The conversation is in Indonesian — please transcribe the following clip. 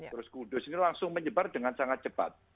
terus kudus ini langsung menyebar dengan sangat cepat